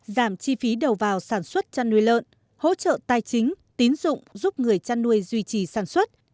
giảm chi phí đầu vào sản xuất chăn nuôi lợn hỗ trợ tài chính tín dụng giúp người chăn nuôi duy trì sản xuất